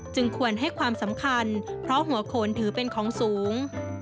ควรให้ความสำคัญเพราะหัวโขนถือเป็นของสูง